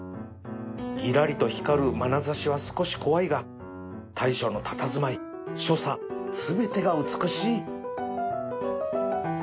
ギラリと光るまなざしは少し怖いが大将のたたずまい所作全てが美しい